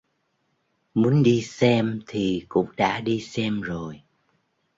Muốn đi xem thì cũng đã đi xem rồi